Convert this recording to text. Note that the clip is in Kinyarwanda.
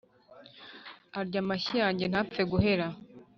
Arya mashyi yanjye ntapfe guhera